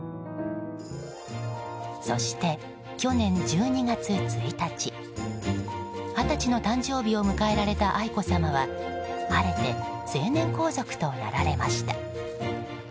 そして去年１２月１日二十歳の誕生日を迎えられた愛子さまは晴れて成年皇族となられました。